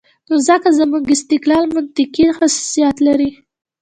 نو ځکه زموږ استدلال منطقي خصوصیت لري.